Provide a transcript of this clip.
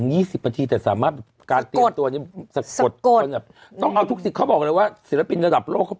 คี่สฤษฎีระดับโลกเขาเป็นแบบ